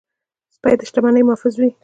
سپي د شتمنۍ محافظ وي.